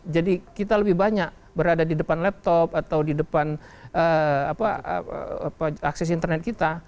kita lebih banyak berada di depan laptop atau di depan akses internet kita